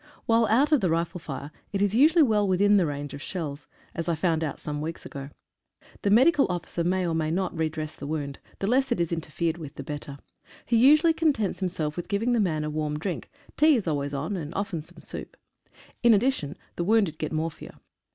While out of the rifle fire it is usually well within range of shells, as I found out some weeks ago. The medical officer may, or may not re dress the wound — the less it is inter fered with the better. He usually contents himself with giving the man a warm drink — tea is always on, and often some soup. In addition, the wounded get morphia.